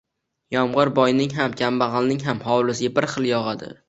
Yomg‘ir boyning ham, kambag‘alning ham hovlisiga bir xil yog‘adi.